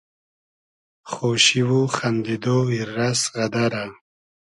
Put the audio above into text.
خوشی و خئندیدۉ , ایررئس غئدئرۂ